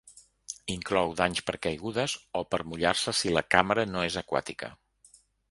Inclou danys per caigudes o per mullar-se si la càmera no es aquàtica.